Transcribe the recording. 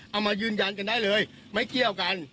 เอามายืนยันกันได้เลยไม่เกี่ยวกัน